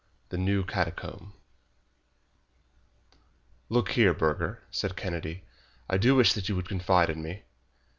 The New Catacomb "Look here, Burger," said Kennedy, "I do wish that you would confide in me."